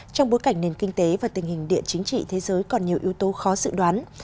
trong bối cảnh nền kinh tế và tình hình địa chính trị thế giới còn nhiều yếu tố khó dự đoán